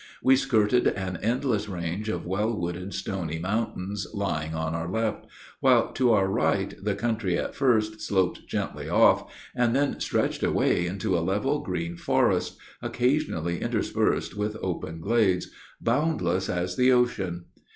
We skirted an endless range of well wooded stony mountains lying on our left, while to our right the country at first sloped gently off, and then stretched away into a level green forest, (occasionally interspersed with open glades,) boundless as the ocean.